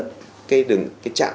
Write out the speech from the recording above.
cây chạm và đường dây dẫn